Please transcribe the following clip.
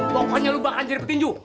pokoknya lu bakalan jadi petinju